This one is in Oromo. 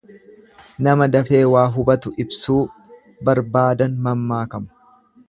Nama dafee waa hubatu ibsuu barbaadan mammaakama.